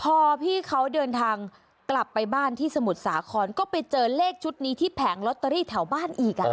พอพี่เขาเดินทางกลับไปบ้านที่สมุทรสาครก็ไปเจอเลขชุดนี้ที่แผงลอตเตอรี่แถวบ้านอีก